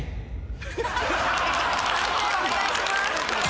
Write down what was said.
判定お願いします。